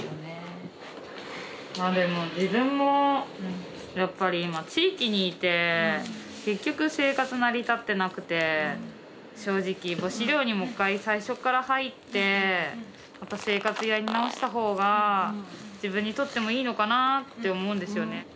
まあでも自分もやっぱり今地域にいて結局生活成り立ってなくて正直母子寮にもう一回最初から入ってまた生活やり直した方が自分にとってもいいのかなあって思うんですよね。